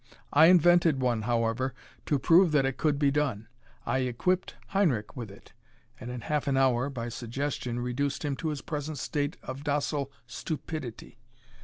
I invented one, however, to prove that it could be done. I equipped Heinrich with it and in half an hour by suggestion reduced him to his present state of docile stupidity.